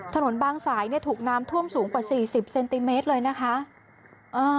ถนนบางสายเนี่ยถูกน้ำท่วมสูงกว่าสี่สิบเซนติเมตรเลยนะคะ